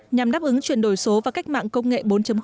nhằm đáp ứng chuyển đổi số và cách mạng công nghệ bốn